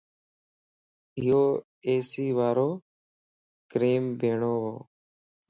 يو اي سي واري ڪمريم ٻيھڻووَ